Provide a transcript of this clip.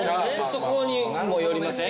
そこにもよりません？